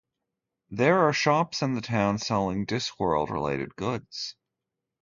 There are shops in the town selling Discworld-related goods.